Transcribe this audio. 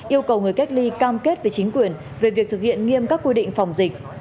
yêu cầu người cách ly cam kết với chính quyền về việc thực hiện nghiêm các quy định phòng dịch